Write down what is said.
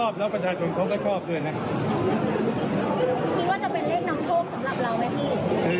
บริรวดอีกอัตตุวินฝรรดิเมืองอดีต